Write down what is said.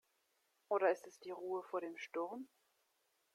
Oder ist es die Ruhe vor dem Sturm?